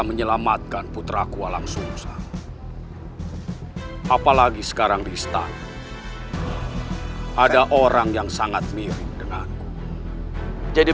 menyelamatkan putrakua langsung sang apalagi sekarang di istana ada orang yang sangat mirip dengan jadi